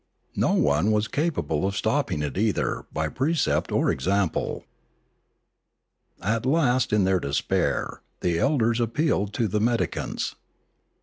No one was capable of stopping it either by precept or example. At last in their despair the elders appealed to the medicants.